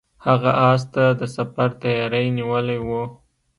هغه اس ته د سفر تیاری نیولی و.